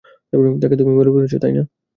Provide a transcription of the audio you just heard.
তাকে তুমি মেরে ফেলেছো, তাই না?